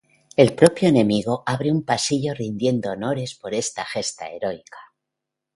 El propio enemigo abre un pasillo rindiendo honores por esta gesta heroica.